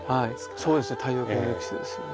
そうですね太陽系の歴史ですよね。